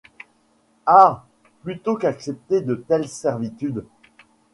Ah ! plutôt qu'accepter de telles servitudes ;